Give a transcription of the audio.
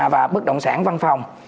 và bất động sản văn phòng